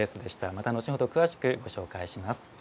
また後ほど詳しくご紹介します。